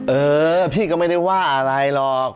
เออพี่ก็ไม่ได้ว่าอะไรหรอก